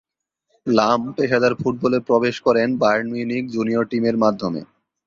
লাম পেশাদার ফুটবলে প্রবেশ করেন বায়ার্ন মিউনিখ জুনিয়র টিমের মাধ্যমে।